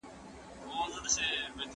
د حرم مېرمني نه وې گلدستې وې